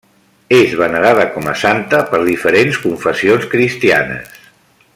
És venerada com a santa per diferents confessions cristianes.